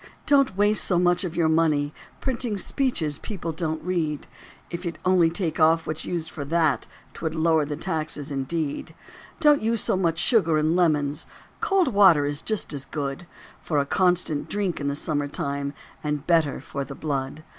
Don't waste so much of your money Printing speeches people don't read. If you'd only take off what's used for that 'Twould lower the tax indeed. Don't use so much sugar and lemons; Cold water is just as good For a constant drink in the summer time And better for the blood.